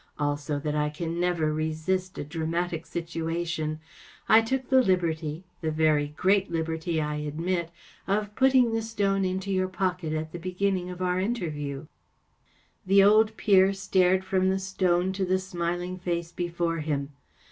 Also that I can never resist a dramatic situation. I took the liberty‚ÄĒthe very great liberty, I admit‚ÄĒof putting the stone into your pocket at the beginning of our interview." The old peer stared from the stone to the smiling face before him.